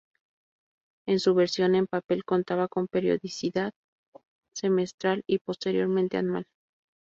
En su versión en papel contaba con periodicidad semestral y posteriormente anual.